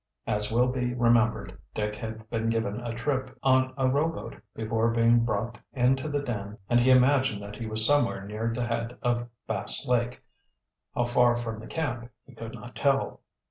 As will be remembered, Dick had been given a trip on a rowboat before being brought into the den and he imagined that he was somewhere near the head of Bass Lake, how far from the camp he could not tell.